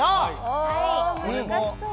お難しそう。